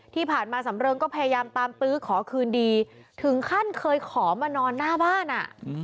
ที่ผ่านมาสำเริงก็พยายามตามตื้อขอคืนดีถึงขั้นเคยขอมานอนหน้าบ้านอ่ะ